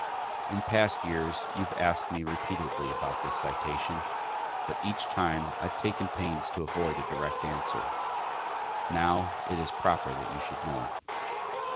In past years you have asked me repeatedly about this citation, but each time I have taken pains to avoid a direct answer. Now it is proper that you should know.